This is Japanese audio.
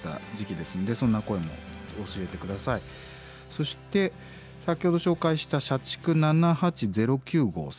そして先ほど紹介した社畜７８０９号さん。